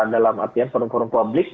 dalam artian forum forum publik